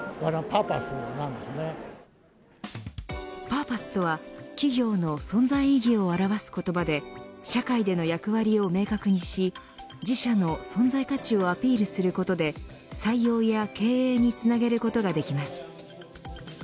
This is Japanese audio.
パーパスとは企業の存在意義を表す言葉で社会での役割を明確にし自社の存在価値をアピールすることで採用や経営につなげることができます。